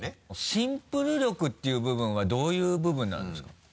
シンプル力っていう部分はどういう部分なんですか？